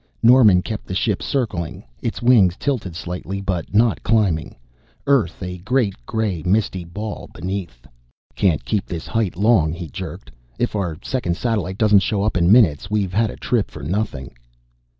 Norman kept the ship circling, its wings tilted slightly, but not climbing, Earth a great gray misty ball beneath. "Can't keep this height long," he jerked. "If our second satellite doesn't show up in minutes we've had a trip for nothing."